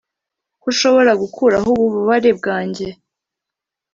ko ushobora gukuraho ububabare bwanjye.